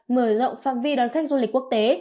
mở rộng phạm vi đón khách du lịch quốc tế